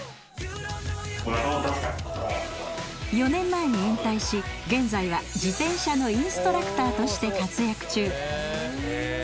４年前に引退し現在は自転車のインストラクターとして活躍中。